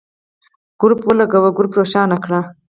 ګروپ ولګوئ ، ګروپ روښانه کړئ.